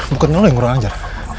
bukan nol yang kurang ajar